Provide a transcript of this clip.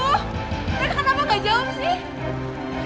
tapi kenapa gak jawab sih